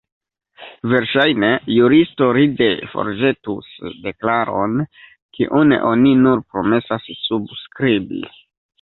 Verŝajne juristo ride forĵetus deklaron, kiun oni nur promesas subskribi.